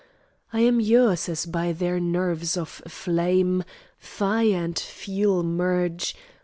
I am yours as by their nerves of flame Fire and fuel merge